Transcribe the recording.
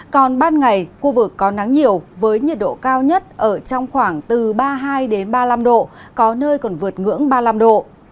còn ban ngày khu vực có nắng nhiều với nhiệt độ cao nhất ở trong khoảng từ ba mươi hai ba mươi năm độ có nơi còn vượt ngưỡng ba mươi năm độ